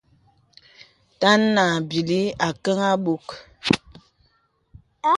Taŋā à bìlī ākàŋ abɔ̄ŋ.